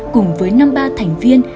cùng với năm ba thành viên